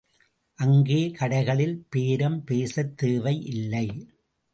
அங்கே கடைகளில் பேரம் பேசத் தேவை இல்லை.